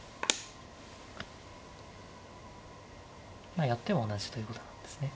まあやっても同じということなんですね。